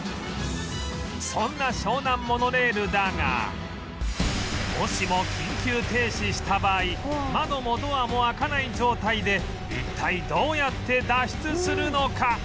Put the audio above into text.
そんな湘南モノレールだがもしも緊急停止した場合窓もドアも開かない状態で一体どうやって脱出するのか？